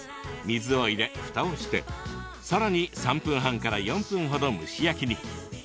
水を入れ、ふたをしてさらに３分半から４分ほど蒸し焼きに。